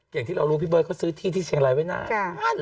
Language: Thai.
อย่างที่เรารู้พี่เบิร์เขาซื้อที่ที่เชียงรายไว้นาน